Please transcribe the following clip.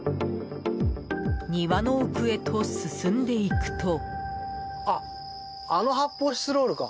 庭の奥へと進んでいくと。